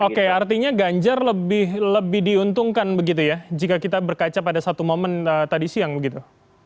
oke artinya ganjar lebih diuntungkan begitu ya jika kita berkaca pada satu momen tadi siang begitu